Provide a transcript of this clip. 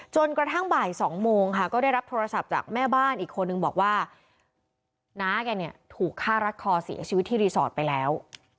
จนกระทั่งบ่าย๒โมงค่ะก็ได้รับโทรศัพท์จากแม่บ้านอีกคนนึงบอกว่าน้าแกเนี่ยถูกฆ่ารัดคอเสียชีวิตที่รีสอร์ทไปแล้ว